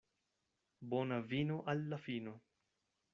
Bona vino al la fino.